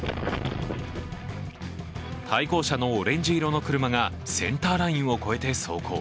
対向車のオレンジ色の車がセンターラインを越えて走行。